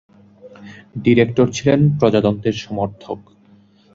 Director ছিলেন প্রজাতন্ত্রের সমর্থক।